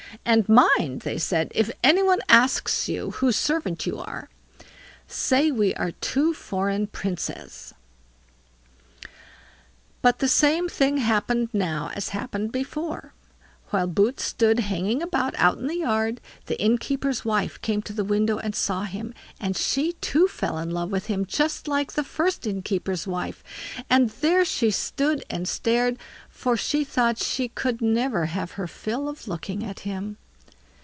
"And mind", they said, "if any one asks whose servant you are, say we are two foreign Princes." But the same thing happened now as happened before; while Boots stood hanging about out in the yard, the innkeeper's wife came to the window and saw him, and she too fell in love with him, just like the first innkeeper's wife; and there she stood and stared, for she thought she could never have her fill of looking at him.